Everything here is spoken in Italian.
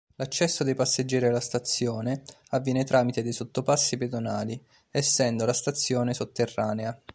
L'accesso dei passeggeri alla stazione avviene tramite dei sottopassi pedonali, essendo la stazione sotterranea.